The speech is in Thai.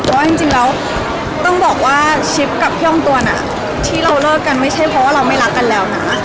ว่าจริงแล้วต้องบอกว่าชิปกับพี่อ้อมตวนที่เราเลิกกันไม่ใช่เพราะว่าเราไม่รักกันแล้วนะ